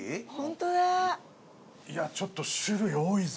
富澤：ちょっと種類多いぞ。